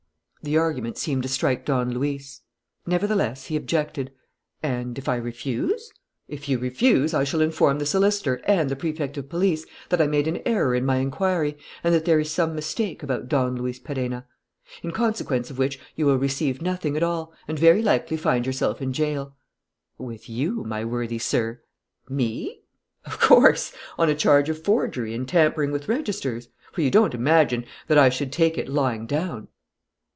The argument seemed to strike Don Luis. Nevertheless, he objected: "And, if I refuse ?" "If you refuse, I shall inform the solicitor and the Prefect of Police that I made an error in my inquiry and that there is some mistake about Don Luis Perenna. In consequence of which you will receive nothing at all and very likely find yourself in jail." "With you, my worthy sir." "Me?" "Of course: on a charge of forgery and tampering with registers. For you don't imagine that I should take it lying down."